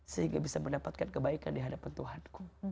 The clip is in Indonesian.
sehingga bisa mendapatkan kebaikan di hadapan tuhanku